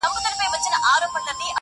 گيله دي د چا سي، چي دي تما سي.